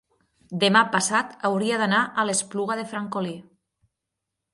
demà passat hauria d'anar a l'Espluga de Francolí.